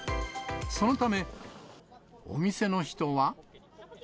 そのため、お店の人は。